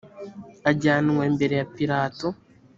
ajyanwa imbere ya pilato